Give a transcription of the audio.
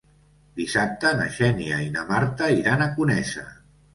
Dissabte na Xènia i na Marta iran a Conesa.